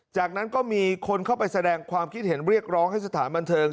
จากนั้นก็มีคนเข้าไปแสดงความคิดเห็นเรียกร้องให้สถานบันเทิง